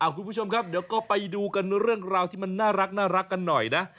คุณผู้ชมครับเดี๋ยวก็ไปดูกันเรื่องราวที่มันน่ารักกันหน่อยนะ